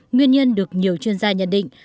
nguyên nhân được nhiều chuyên gia nhận định